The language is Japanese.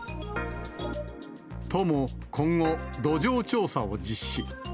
都も今後、土壌調査を実施。